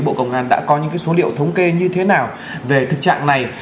bộ công an đã có những số liệu thống kê như thế nào về thực trạng này